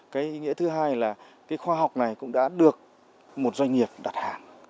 cái ý nghĩa thứ hai là cái khoa học này cũng đã được một doanh nghiệp đặt hàng